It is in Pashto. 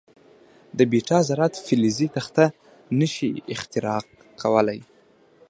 د بیټا ذرات فلزي تخته نه شي اختراق کولای.